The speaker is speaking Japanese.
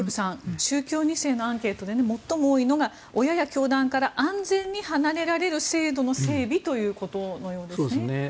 宗教２世のアンケートで最も多いのが親や教団から安全に離れられる制度の設計ということですね。